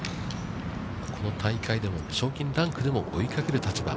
この大会でも、賞金ランクでも追いかける立場。